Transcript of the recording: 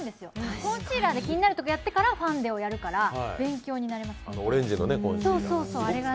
コンシーラーで気になるところやってからファンデをやるから勉強になります。